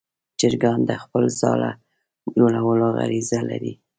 چرګان د خپل ځاله جوړولو غریزه لري.